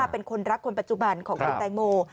เป็นคนรักคนปัจจุบันของคุณแตงโม